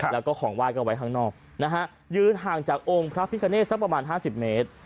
แล้วก็ของไห้ก็ไว้ข้างนอกนะฮะยืนห่างจากองค์พระพิคเนตสักประมาณ๕๐เมตร